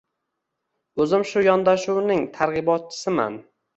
O‘zim shu yondoshuvning targ‘ibotchisiman.